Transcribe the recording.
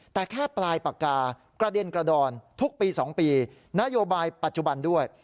แต่แค่ปลายปากกากระเด็นกระดอนทุกปี๒ปีนโยบายปัจจุบันด้วย